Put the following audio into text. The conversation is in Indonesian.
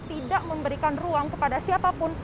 tidak memberikan ruang kepada siapapun